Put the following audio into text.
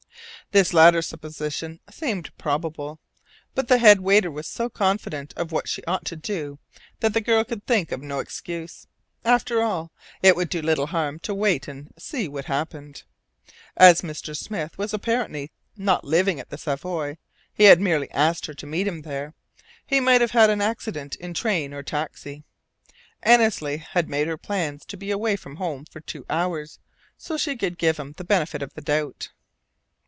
This latter supposition seemed probable; but the head waiter was so confident of what she ought to do that the girl could think of no excuse. After all, it would do little harm to wait and "see what happened." As Mr. Smith was apparently not living at the Savoy (he had merely asked her to meet him there), he might have had an accident in train or taxi. Annesley had made her plans to be away from home for two hours, so she could give him the benefit of the doubt.